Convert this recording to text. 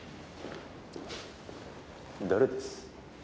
誰です？